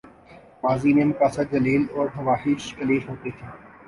ماضی میں مقاصد جلیل اور خواہشیں قلیل ہوتی تھیں۔